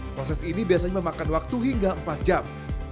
proses ini biasanya memakan waktu hingga empat jam